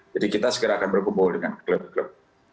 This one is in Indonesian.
jadi kita segera akan berkumpul dengan klub klub